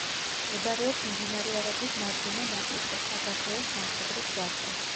მდებარეობს მდინარე არაგვის მარჯვენა ნაპირზე, საქართველოს სამხედრო გზაზე.